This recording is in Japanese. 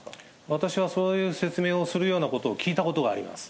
私はそういう説明をするようなことを聞いたことがあります。